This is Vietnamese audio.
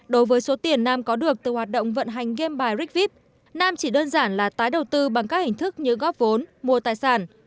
đối với số tiền nam có được từ hoạt động vận hành game bài rigvip nam chỉ đơn giản là tái đầu tư bằng các hình thức như góp vốn mua tài sản